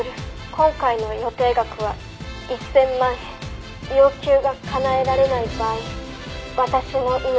「今回の予定額は１０００万円」「要求がかなえられない場合私の命はない」